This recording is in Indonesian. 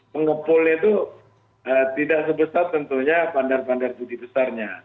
pengepul itu tidak sebesar tentunya bandar bandar budi besarnya